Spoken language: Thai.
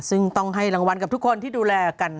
ซึ่งต้องให้รางวัลกับทุกคนที่ดูแลกัน